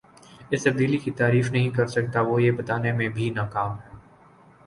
اس تبدیلی کی تعریف نہیں کر سکا وہ یہ بتانے میں بھی ناکام ہے